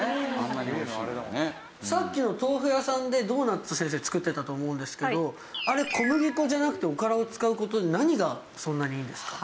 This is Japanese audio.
さっきの豆腐屋さんでドーナツ先生作ってたと思うんですけどあれ小麦粉じゃなくておからを使う事で何がそんなにいいんですか？